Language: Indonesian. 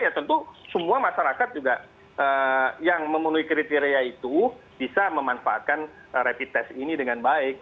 ya tentu semua masyarakat juga yang memenuhi kriteria itu bisa memanfaatkan rapid test ini dengan baik